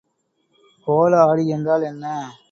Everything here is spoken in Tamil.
கோள ஆடி என்றால் என்ன?